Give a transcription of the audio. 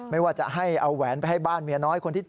ไม่ว่าจะให้เอาแหวนไปให้บ้านเมียน้อยคนที่๗